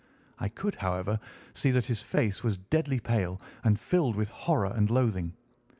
I could, however, see that his face was deadly pale and filled with horror and loathing.